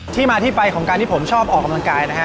ที่มาที่ไปของการที่ผมชอบออกกำลังกายนะฮะ